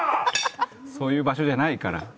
「そういう場所じゃないから」